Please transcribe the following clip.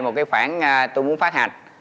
một cái khoản tôi muốn phát hành